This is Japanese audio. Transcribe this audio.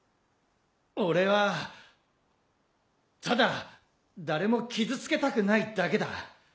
俺はただ誰も傷つけたくないだけだ。